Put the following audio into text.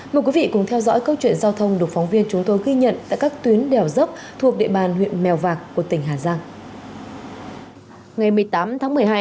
mời quý vị cùng theo dõi câu chuyện giao thông được phóng viên chúng tôi ghi nhận tại các tuyến đèo dốc thuộc địa bàn huyện mèo vạc của tỉnh hà giang